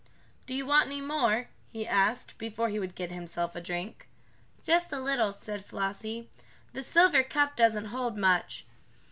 "Do you want any more?" he asked, before he would get himself a drink. "Just a little," said Flossie. "The silver cup doesn't hold much."